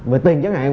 về tiền chẳng hạn